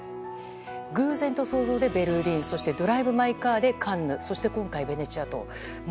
ぐうぜんとそうぞうでベルリン、そして、ドライブ・マイ・カーでカンヌ、そして今回、ベネチアと。